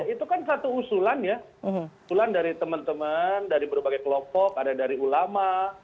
itu kan satu usulan ya usulan dari teman teman dari berbagai kelompok ada dari ulama